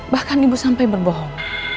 bahkan ibu sampai berbohong